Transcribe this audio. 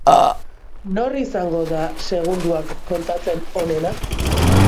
Nor izango da segundoak kontatzen onena?